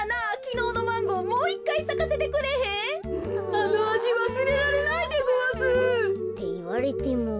あのあじわすれられないでごわす。っていわれても。